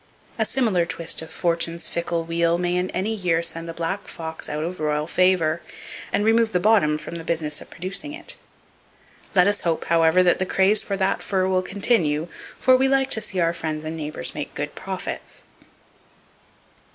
A similar twist of Fortune's fickle wheel may in any year send the black fox out of royal favor, and remove the bottom from the business of producing it. Let us hope, however, that the craze for that fur will continue; for we like to see our friends and neighbors make good profits.